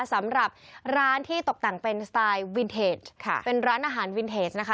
สำหรับร้านที่ตกแต่งเป็นสไตล์วินเทจค่ะเป็นร้านอาหารวินเทจนะคะ